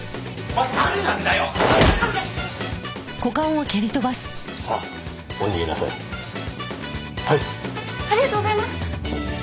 ありがとうございます！